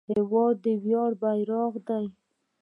هېواد د ویاړ بیرغ دی.